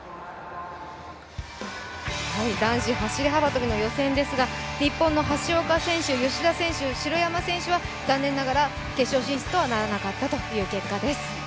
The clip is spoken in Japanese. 男子走幅跳予選ですが日本の橋岡選手、吉田選手、城山選手は残念ながら決勝進出とはならなかったという結果です。